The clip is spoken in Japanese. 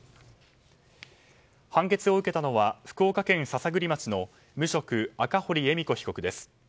判決を受けたのは福岡県篠栗町の無職・赤堀恵美子被告です。